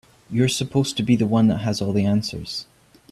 You're supposed to be the one that has all the answers.